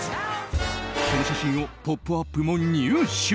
その写真を「ポップＵＰ！」も入手。